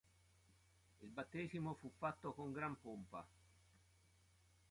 Il battesimo fu fatto con gran pompa.